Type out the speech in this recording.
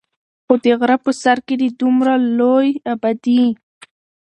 خو د غرۀ پۀ سر کښې د دومره لوے ابادي